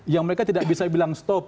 yang mereka tidak bisa bilang stop